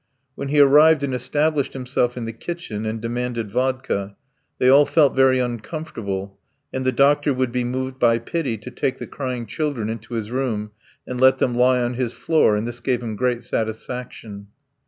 When he arrived and established himself in the kitchen and demanded vodka, they all felt very uncomfortable, and the doctor would be moved by pity to take the crying children into his room and let them lie on his floor, and this gave him great satisfaction.